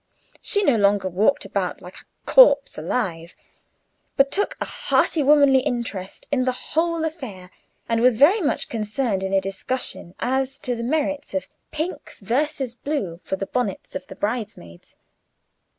She no longer walked about like a "corpse alive," but took a hearty womanly interest in the whole affair, and was very much concerned in a discussion as to the merits of pink versus blue for the bonnets of the bridesmaids.